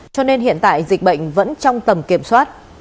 cho nên hiện tại dịch bệnh vẫn trong tầm kiểm soát